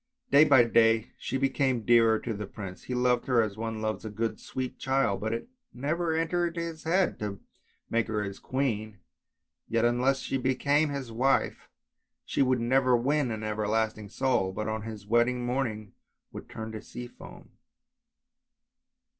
Day by day she became dearer to the prince, he loved her as one loves a good sweet child, but it never entered his head to make her his queen; yet unless she became his wife she would never win an everlasting soul, but on his wedding morning would turn to sea foam.